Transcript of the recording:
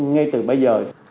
ngay từ bây giờ